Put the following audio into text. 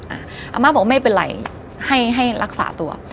อาม่าบอกไม่เป็นไรให้รักษาตัว